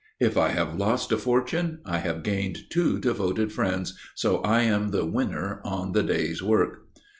_ If I have lost a fortune, I have gained two devoted friends, so I am the winner on the day's work."